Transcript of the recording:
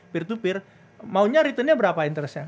peer to peer maunya return nya berapa interest nya